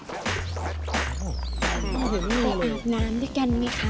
ไปอาบน้ำด้วยกันมั้ยคะ